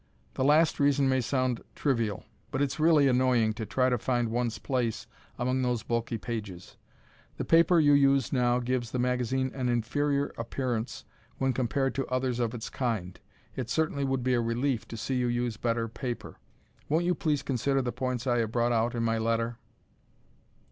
The last reason may sound trivial, but it's really annoying to try to find one's place among those bulky pages. The paper you use now gives the magazine an inferior appearance when compared to others of its kind. It certainly would be a relief to see you use better paper. Won't you please consider the points I have brought out in my letter?